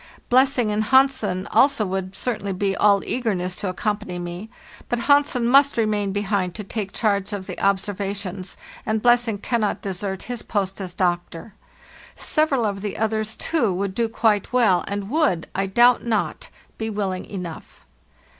Blessing and Hansen also would certainly be all eager ness to accompany me; but Hansen must remain behind to take charge of the observations, and Blessing cannot desert his post as doctor. Several of the others, too, would do quite well, and would, I doubt not, be willing enough.